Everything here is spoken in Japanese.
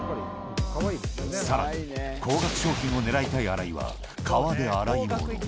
さらに高額商品をねらいたい荒井は、川で洗い物。